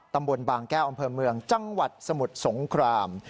ตำบลบางแก้วอำเภอเมืองจังหวัดสมุทรสงคราม